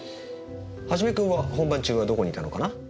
元君は本番中はどこにいたのかな？